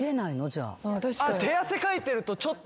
じゃあ。